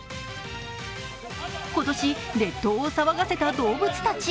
今年、列島を騒がせた動物たち。